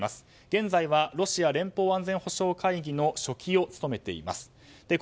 現在はロシア連邦安全保障会議の書記を務めています。